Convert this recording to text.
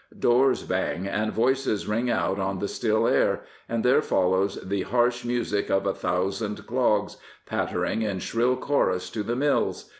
Doors bang, and voices ring out on the still air, and there follows the harsh music of a thousand c^s, pattering in shrill chorus to the mills.